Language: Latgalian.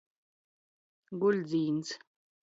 Guļdzīns.